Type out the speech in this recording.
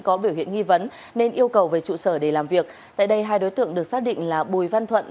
có biểu hiện nghi vấn nên yêu cầu về trụ sở để làm việc tại đây hai đối tượng được xác định là bùi văn thuận